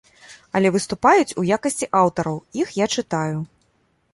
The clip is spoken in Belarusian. Але выступаюць у якасці аўтараў, іх я чытаю.